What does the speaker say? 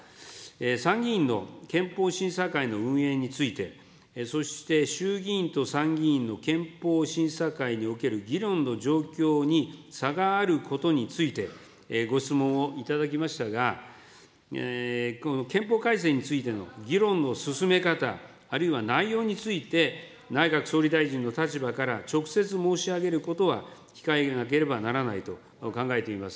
参議院の憲法審査会の運営について、そして衆議院と参議院の憲法審査会における議論の状況に差があることについて、ご質問をいただきましたが、この憲法改正についての議論の進め方、あるいは内容について、内閣総理大臣の立場から直接申し上げることは控えなければならないと考えています。